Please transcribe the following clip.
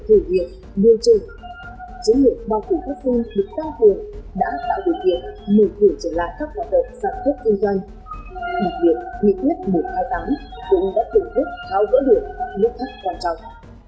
cũng đã tổ chức thao dỡ điểm mức thấp quan trọng